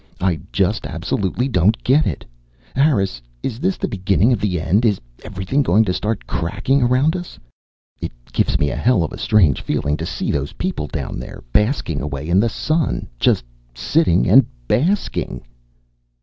"I just absolutely don't get it. Harris, is this the beginning of the end? Is everything going to start cracking around us? It gives me a hell of a strange feeling to see those people down there, basking away in the sun, just sitting and basking."